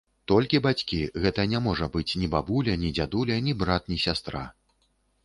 Толькі бацькі, гэта не можа быць ні бабуля, ні дзядуля, ні брат, ні сястра.